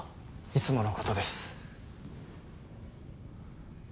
いつもの事です。